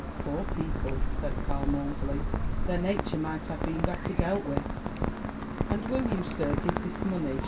"Poor people I" said Karl mournfully; "their nature might have been better dealt with." "And will you, sir, give this money?"